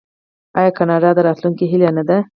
آیا کاناډا د راتلونکي هیله نه ده؟